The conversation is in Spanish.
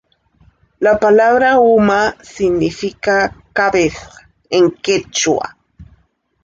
La palabra ""uma"" significa ""cabeza"" en quechua.